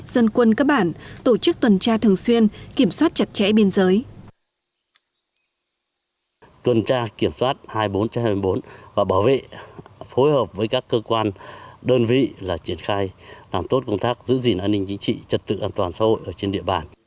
dân quân các bản tổ chức tuần tra thường xuyên kiểm soát chặt chẽ biên giới